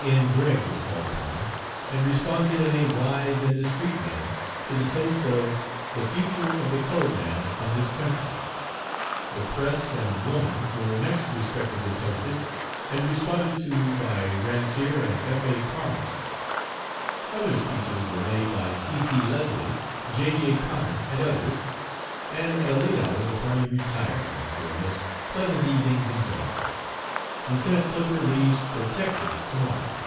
N. Gregg was called upon, and responded in a wise and discreet manner to the toast of 'The Future of the Colored Man in this Country.' 'The Press' and 'Woman' were next respectively toasted, and responded to by Ransier and F. A. Carmand. Other speeches were made by C. C. Leslie, J. J. Connor, and others, and at a late hour the party retired, after a most pleasant evening's enjoyment. Lieutenant Flipper leaves for Texas to morrow."